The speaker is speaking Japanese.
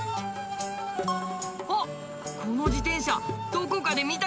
あっこの自転車どこかで見たことあるぞ。